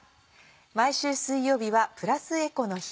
毎週水曜日はプラスエコの日。